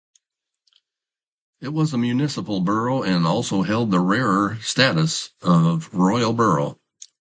It was a municipal borough and also held the rarer status of Royal borough.